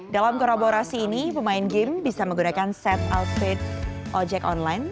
dalam kolaborasi ini pemain game bisa menggunakan set outfit ojek online